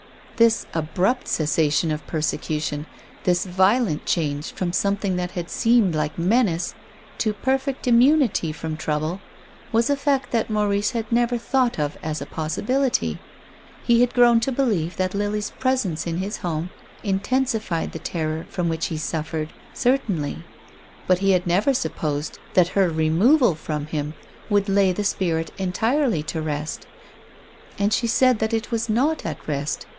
This abrupt cessation of persecution, this violent change from something that had seemed like menace to perfect immunity from trouble, was a fact that Maurice had never thought of as a possibility. He had grown to believe that Lily's presence in his home intensified the terror from which he suffered, certainly. But he had never supposed that her removal from him would lay the spirit entirely to rest. And she said that it was not at rest.